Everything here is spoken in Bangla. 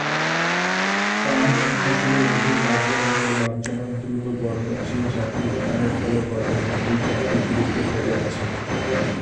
পান ও ফসলের অধিক লাভজনক ও লাভজনক দ্রুত বর্ধনশীল জাতের উত্থানের ফলে বর্তমানে এই জাতটি বিলুপ্ত হয়ে যাচ্ছে।